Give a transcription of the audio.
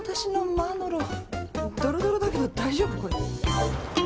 ドロドロだけど大丈夫これ？